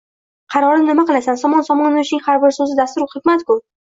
Qarorni nima qilasan, Somon Somonovichning har bir so`zi dasturi hikmat-ku